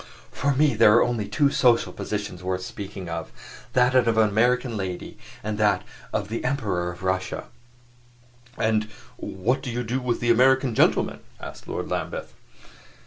"For me, there are only two social positions worth speaking of that of an American lady and that of the Emperor of Russia." "And what do you do with the American gentlemen?" asked Lord Lambeth.